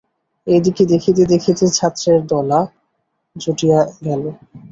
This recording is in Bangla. এ দিকে দেখিতে দেখিতে ছাত্রের দল জুটিয়া গেল।